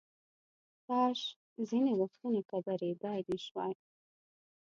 کاش ځینې وختونه که درېدای نشوای.